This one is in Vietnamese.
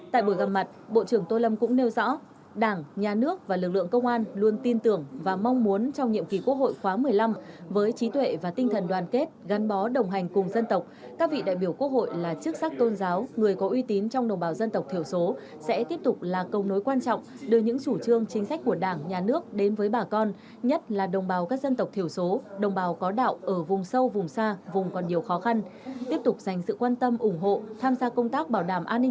tại buổi gặp mặt bộ trưởng tô lâm cũng nêu rõ đảng nhà nước và lực lượng công an luôn tin tưởng và mong muốn trong nhiệm kỳ quốc hội khóa một mươi năm với trí tuệ và tinh thần đoàn kết gắn bó đồng hành cùng dân tộc các vị đại biểu quốc hội là chức sắc tôn giáo người có uy tín trong đồng bào dân tộc thiểu số sẽ tiếp tục là công nối quan trọng đưa những chủ trương chính sách của đảng nhà nước đến với bà con nhất là đồng bào các dân tộc thiểu số đồng bào có đạo ở vùng sâu vùng xa vùng còn nhiều khó khăn tiếp tục dành sự quan tâm ủng hộ